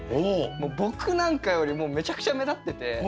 僕なんかよりもめちゃくちゃ目立ってて。